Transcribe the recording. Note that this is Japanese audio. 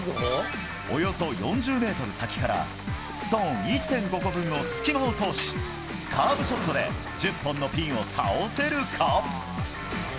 およそ４０メートル先から、ストーン１．５個分の隙間を通し、カーブショットで１０本のピンを倒せるか。